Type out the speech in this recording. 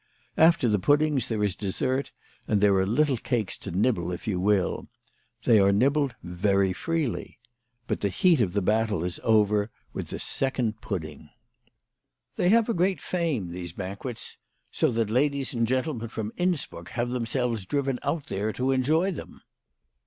After the puddings there is dessert, and there are little cakes to nibble if you will. They are nibbled very freely. But the heat of the battle is over with the second pudding. They have a great fame, these banquets ; so that ladies and gentlemen from Innsbruck have themselves driven out here to enjoy them.